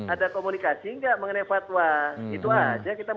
ada komunikasi enggak